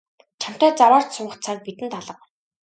Чамтай заваарч суух цаг бидэнд алга.